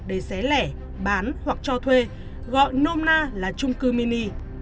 để xé lẻ bán hoặc cho thuê gọi nôm na là trung cư mini